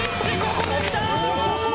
ここで来た！